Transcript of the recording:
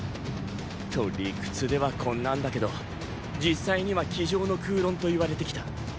と理屈ではこんなんだけど実際には机上の空論と言われてきた。